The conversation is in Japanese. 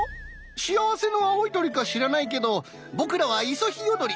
幸せの青い鳥か知らないけど僕らはイソヒヨドリ。